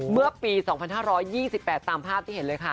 เมื่อปี๒๕๒๘ตามภาพที่เห็นเลยค่ะ